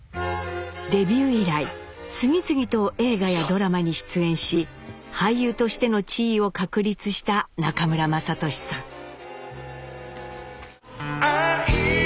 デビュー以来次々と映画やドラマに出演し俳優としての地位を確立した中村雅俊さん。